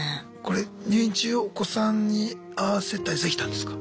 入院中お子さんに会わせたりできたんですか？